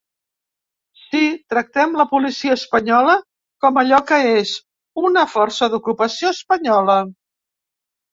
Sí, tractem la policia espanyola com allò que és: una força d’ocupació espanyola.